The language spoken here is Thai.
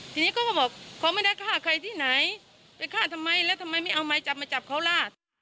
ทีนี้เขาก็บอกเขาไม่ได้ฆ่าใครที่ไหนไปฆ่าทำไมแล้วทำไมไม่เอาไม้จับมาจับเขาล่ะ